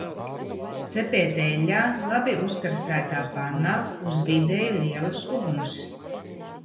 Cepiet eļļā labi uzkarsētā pannā uz vidēji lielas uguns.